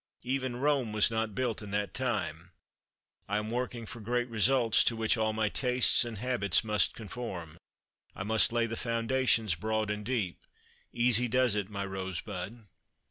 Even Rome was not built in that time. I am working for great results, to which all my tastes and habits must conform. I must lay the foundations broad and deep. Easy does it, my rose bud."